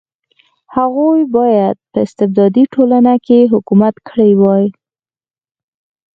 هغوی باید په استبدادي ټولنه کې حکومت کړی وای.